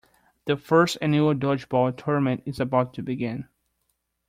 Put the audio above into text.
The First Annual Dodgeball Tournament is about to begin.